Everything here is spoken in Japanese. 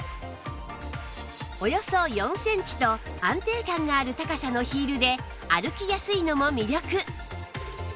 およそ４センチと安定感がある高さのヒールで歩きやすいのも魅力